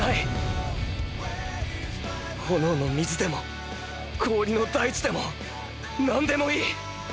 炎の水でも氷の大地でも何でもいい。